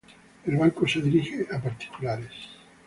El banco se dirige a particulares.